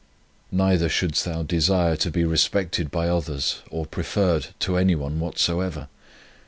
Neither shouldst thou desire to be respected by others, or preferred to anyone whatsoever.